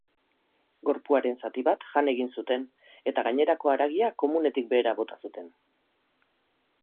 Gorpuaren zati bat jan egin zuten eta gainerako haragia komunetik behera bota zuten.